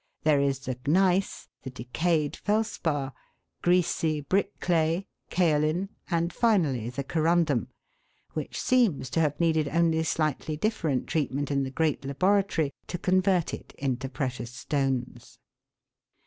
There is the gneiss, the decayed felspar, greasy brick clay, kaolin, and finally the corundum, which seems to have needed only slightly different treatment in the great laboratory to convert it into precious stones.